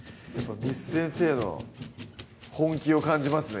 簾先生の本気を感じますね